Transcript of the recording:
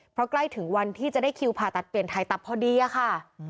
เพราะใกล้ถึงวันที่จะได้คิวผ่าตัดเปลี่ยนถ่ายตับพอดีอะค่ะ